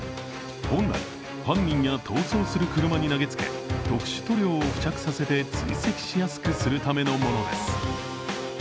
本来、犯人や逃走する車に投げつけ特殊塗料を付着させて追跡しやすくするためのものです。